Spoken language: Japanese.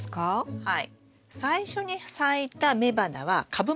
はい。